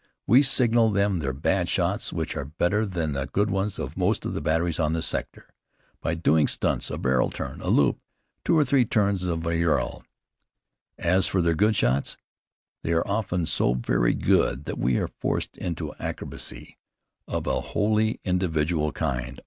We signal them their bad shots which are better than the good ones of most of the batteries on the sector by doing stunts, a barrel turn, a loop, two or three turns of a vrille. As for their good shots, they are often so very good that we are forced into acrobacy of a wholly individual kind.